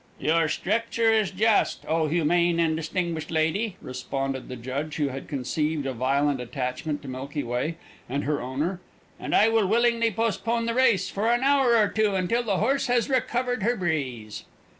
"Your stricture is just, O humane and distinguished lady," responded the judge, who had conceived a violent attachment to Milky Way and her owner, "and I will willingly postpone the race for an hour or two until the horse has recovered her breeze."